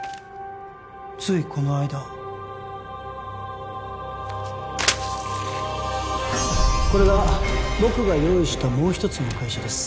ついこの間これが僕が用意したもう一つの会社です